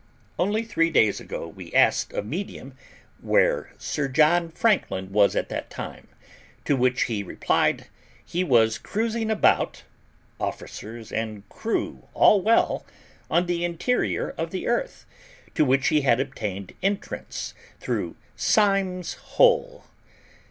Only three days ago we asked a medium where Sir John Franklin was at that time; to which he replied, he was cruising about (officers and crew all well) on the interior of the Earth, to which he had obtained entrance through SYMMES HOLE!